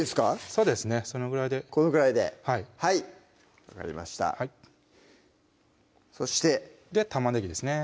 そうですねそのぐらいでこのぐらいではい分かりましたそして玉ねぎですね